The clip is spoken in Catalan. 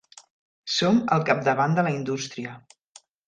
Som al capdavant de la indústria.